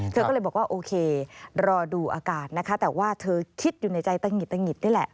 เธอก็เลยบอกว่าโอเครอดูอาการนะคะแต่ว่าเธอคิดอยู่ในใจตะหิดตะหิดนี่แหละ